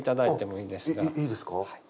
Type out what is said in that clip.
いいですか？